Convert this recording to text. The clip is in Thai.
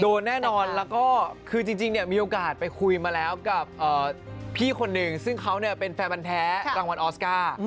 แน่นอนแล้วก็คือจริงเนี่ยมีโอกาสไปคุยมาแล้วกับพี่คนหนึ่งซึ่งเขาเป็นแฟนวันแท้รางวัลออสการ์